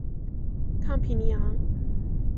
康皮尼昂。